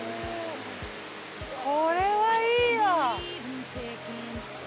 これは、いいわ。